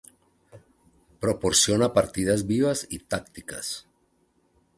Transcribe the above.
Proporciona partidas vivas y tácticas.